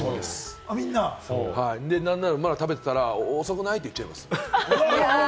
なんならまだ食べてたら、遅くない？って言っちゃいます。